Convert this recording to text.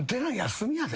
休みやで？